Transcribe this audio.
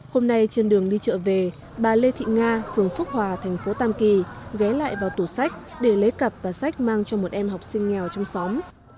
hôm nay trên đường đi chợ về bà lê thị nga phường phước hòa tp tam kỳ ghé lại vào tủ sách để lấy cặp và sách mang cho một em học sinh nghèo trong xóm